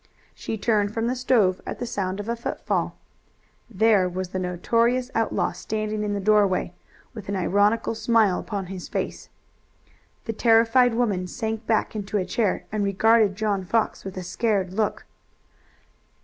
She turned from the stove at the sound of a foot fall. There was the notorious outlaw standing in the doorway with an ironical smile upon his face. The terrified woman sank back into a chair and regarded John Fox with a scared look.